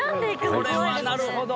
これはなるほど。